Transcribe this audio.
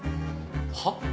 はっ？